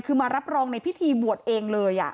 คือมารับรองในพิธีบวชเองเลย